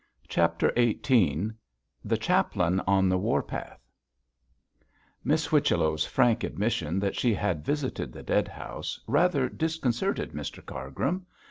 CHAPTER XVIII THE CHAPLAIN ON THE WARPATH Miss Whichello's frank admission that she had visited the dead house rather disconcerted Mr Cargrim.